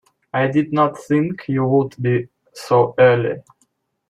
I did not think you would be so early.